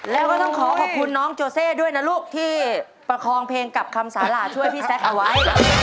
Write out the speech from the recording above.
แล้วก็ต้องขอขอบคุณน้องโจเซ่ด้วยนะลูกที่ประคองเพลงกับคำสาระช่วยพี่แซคเอาไว้